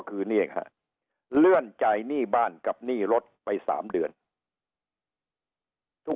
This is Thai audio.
คือนี่ฮะเลื่อนจ่ายหนี้บ้านกับหนี้รถไป๓เดือนทุก